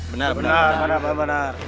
benar benar benar